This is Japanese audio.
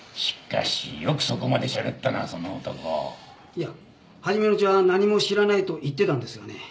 いや初めのうちは何も知らないと言ってたんですがね